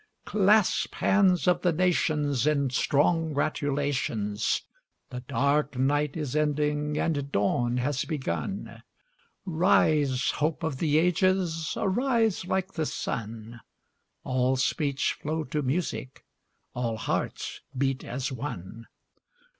Clasp hands of the nations In strong gratulations: The dark night is ending and dawn has begun; Rise, hope of the ages, arise like the sun, All speech flow to music, all hearts beat as one!